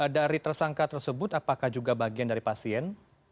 dari tersangka tersebut apakah juga bagian dari pasien